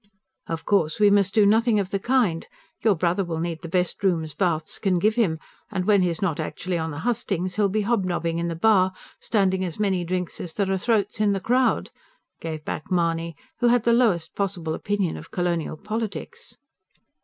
"Of course we must do nothing of the kind. Your brother will need the best rooms Bath's can give him; and when he's not actually on the hustings, he'll be hobnobbing in the bar, standing as many drinks as there are throats in the crowd," gave back Mahony, who had the lowest possible opinion of colonial politics.